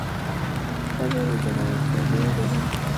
ښځه د زړورتیا بیلګه ده.